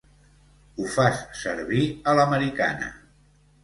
Ho fas servir a l'americana.